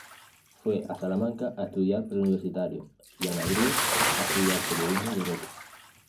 Fue a Salamanca a estudiar preuniversitario, y a Madrid a estudiar periodismo y derecho.